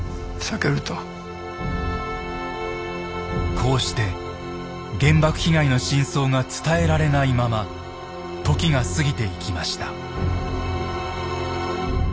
こうして原爆被害の真相が伝えられないまま時が過ぎていきました。